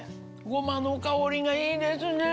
ゴマの香りがいいですね！